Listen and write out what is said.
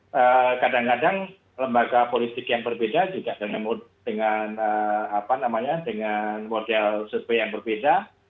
karena kadang kadang lembaga politik yang berbeda juga dengan model survei yang berbeda